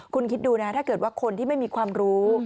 คุณคิดดูนะถ้าเกิดว่าคนที่ไม่มีความรู้